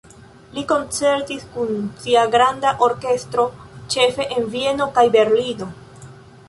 Li koncertis kun sia granda orkestro ĉefe en Vieno kaj Berlino.